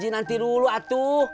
nanti dulu atuh